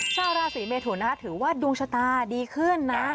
ชาวราศีเมทุนนะคะถือว่าดวงชะตาดีขึ้นนะ